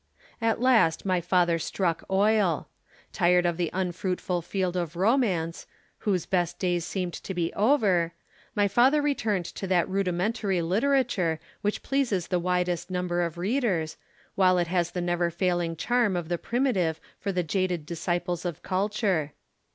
At last my father struck oil. Tired of the unfruitful field of romance, whose best days seemed to be over, my father returned to that rudimentary literature which pleases the widest number of readers, while it has the never failing charm of the primitive for the jaded disciples of culture.